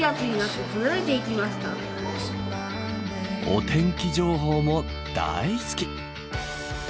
お天気情報も大好き！